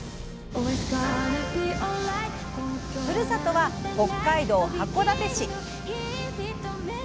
ふるさとは北海道函館市。